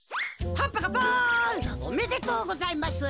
パッパカパン！おめでとうございます。